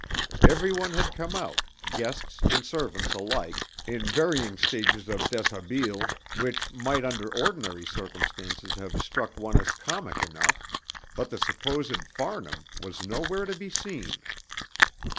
Everyone had come out, guests and servants alike, in varying stages of deshabille, which might under ordinary circumstances have struck one as comic enough, but the supposed Farnham was nowhere to be seen.